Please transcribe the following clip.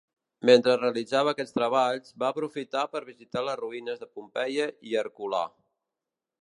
Mentre realitzava aquests treballs, va aprofitar per visitar les ruïnes de Pompeia i Herculà.